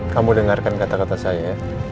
kamu dengarkan kata kata saya